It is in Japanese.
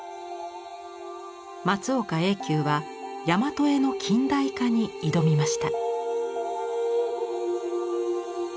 松岡映丘はやまと絵の近代化に挑みました。